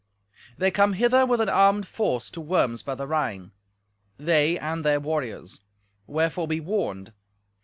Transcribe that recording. They come hither with an armed force to Worms by the Rhine—they and their warriors. Wherefore be warned.